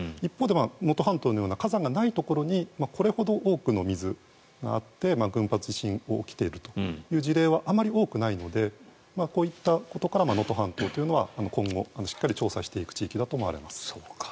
能登半島のような火山が多くないところにこれだけの水があって群発地震が起きているという事例はあまり多くないのでこういったことから能登半島というのは今後しっかり調査していく地域だと思われます。